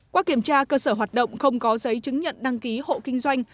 qua kiểm tra cơ sở hoạt động không có giấy chứng nhận đăng ký hộ kinh doanh